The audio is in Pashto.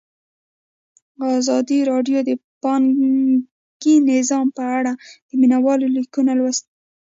ازادي راډیو د بانکي نظام په اړه د مینه والو لیکونه لوستي.